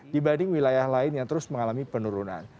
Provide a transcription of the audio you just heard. dibanding wilayah lain yang terus mengalami penurunan